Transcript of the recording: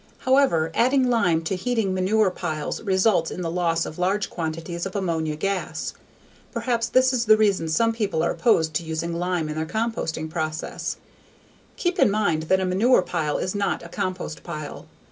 However, adding lime to heating manure piles results in the loss of large quantities of ammonia gas. Perhaps this is the reason some people are opposed to using lime in any composting process. Keep in mind that a manure pile is not a compost pile.